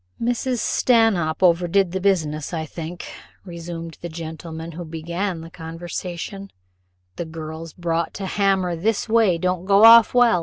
"Mrs. Stanhope overdid the business, I think," resumed the gentleman who began the conversation: "girls brought to the hammer this way don't go off well.